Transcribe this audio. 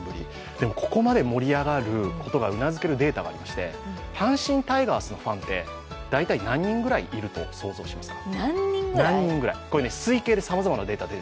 でもここまで盛り上がることがうなずけるデータがありまして阪神タイガースのファンって大体何人いると想像しますか？